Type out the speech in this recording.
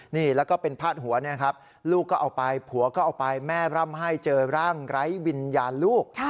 นี่แล้วก็เป็นพาดหัวเนี่ยครับลูกก็เอาไปผัวก็เอาไปแม่ร่ำให้เจอร่างไร้วิญญาณลูก